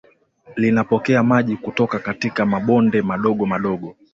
linapokea maji kutoka katika mabonde madogo madogo